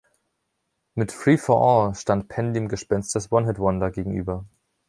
Mit „Free-for-All“ stand Penn dem Gespenst des One-Hit-Wonder gegenüber.